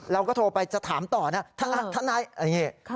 เราก็โทรไปจะถามต่อนะท่านนายอะไรอย่างนี้